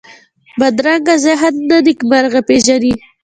بدرنګه ذهن نه نېکمرغي پېژني